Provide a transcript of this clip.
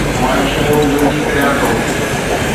مان شيون جلدي ڪريان ٿو